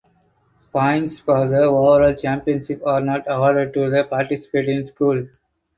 Points for the overall championship are not awarded to the participating schools.